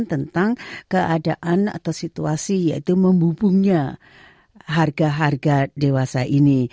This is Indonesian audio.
bagaimana harga harga dewasa ini